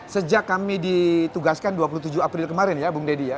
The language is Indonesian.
sejak kami ditugaskan dua puluh tujuh april kemarin ya bung deddy ya